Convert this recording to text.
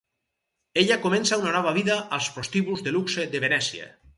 Ella comença una nova vida als prostíbuls de luxe de Venècia.